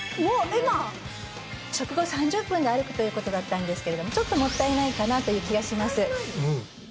食後３０分で歩くということだったんですけれどももったいないかなという気がします